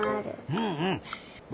うんうんぼ